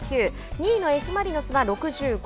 ２位のＦ・マリノスは６５。